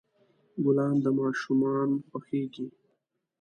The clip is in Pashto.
ګلان د ماشومان خوښیږي.